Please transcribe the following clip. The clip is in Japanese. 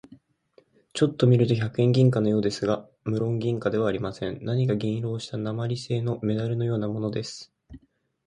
ちょっと見ると百円銀貨のようですが、むろん銀貨ではありません。何か銀色をした鉛製なまりせいのメダルのようなものです。